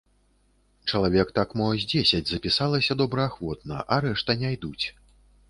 Чалавек так мо з дзесяць запісалася добраахвотна, а рэшта не ідуць.